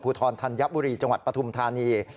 ทรธัญบุรีจังหวัดปฐุมธานี